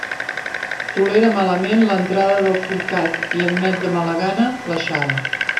Tolera malament l'entrada del forcat i admet de mala gana l'aixada.